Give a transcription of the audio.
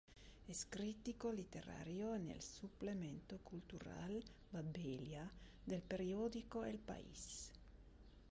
Es crítico literario en el suplemento cultural "Babelia" del periódico "El País".